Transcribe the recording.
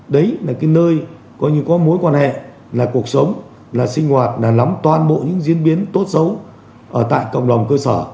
đấy là cái nơi có như có mối quan hệ là cuộc sống là sinh hoạt là lắm toàn bộ những diễn biến tốt xấu ở tại cộng đồng cơ sở